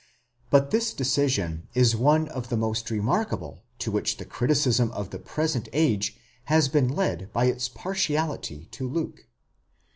® But this decision is one of the most remarkable to which the criticism of the present age has been led by its partiality to Luke.